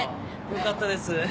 良かったです。